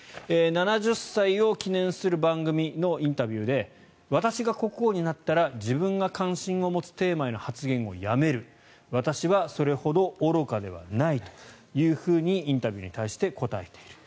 ７０歳を記念する番組のインタビューで私が国王になったら自分が関心を持つテーマへの発言をやめる私はそれほど愚かではないとインタビューに対して答えている。